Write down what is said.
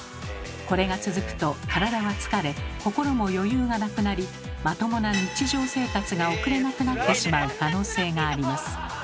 これが続くと体は疲れ心も余裕がなくなりまともな日常生活が送れなくなってしまう可能性があります。